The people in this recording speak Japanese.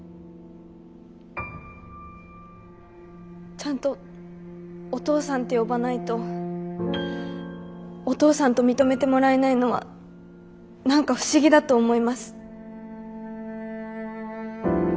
ちゃんとお父さんと呼ばないとお父さんと認めてもらえないのは何か不思議だと思います。